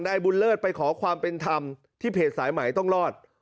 นายบุญเลิศไปขอความเป็นธรรมที่เพจสายใหม่ต้องรอด